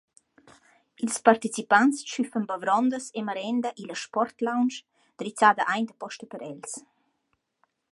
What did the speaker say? Ils partecipants tschüffan bavrondas e marenda illa «Sport-Lounge» drizzada aint aposta per els.